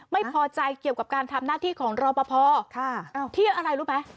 ไม่พอใจเกี่ยวกับการทำหน้าที่ของรอปภที่อะไรรู้ไหม